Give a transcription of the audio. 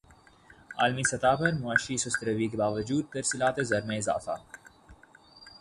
عالمی سطح پر معاشی سست روی کے باوجود ترسیلات زر میں اضافہ